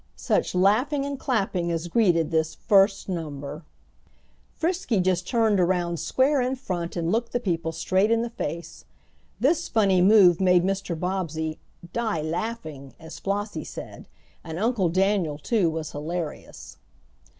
Such laughing and clapping as greeted this "first number"! Frisky just turned around square in front and looked the people straight in the face. This funny move made Mr. Bobbsey "die laughing," as Flossie said, and Uncle Daniel too was hilarious.